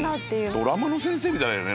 ドラマの先生みたいだよね。